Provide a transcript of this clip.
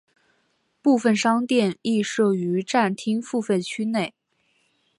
部分商店亦设于站厅付费区内。